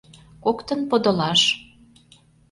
Коктын подылаш.